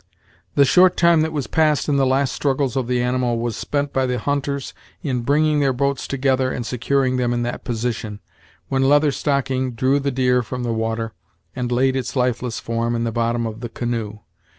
The short time that was passed in the last struggles of the animal was spent by the hunters in bringing their boats together and securing them in that position, when Leather Stocking drew the deer from the water and laid its lifeless form in the bottom of the canoe.